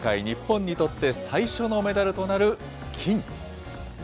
日本にとって最初のメダルとなる金。